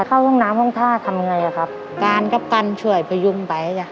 เข้าห้องน้ำห้องท่าทำไงอ่ะครับการกับกันช่วยพยุงไปจ้ะ